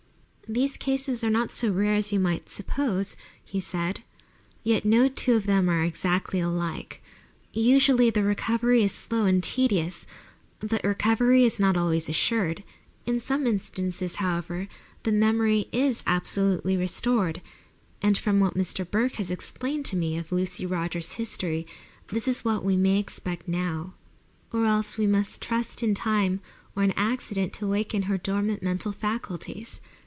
"These cases are not so rare as you might suppose," he said; "yet no two of them are exactly alike. Usually the recovery is slow and tedious; but recovery is not always assured. In some instances, however, the memory is absolutely restored, and from what Mr. Burke has explained to me of Lucy Rogers's history this is what we may expect now. Or else, we must trust to time or an accident to awaken her dormant mental faculties.